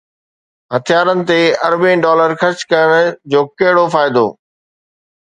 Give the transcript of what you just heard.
هٿيارن تي اربين ڊالر خرچ ڪرڻ جو ڪهڙو فائدو؟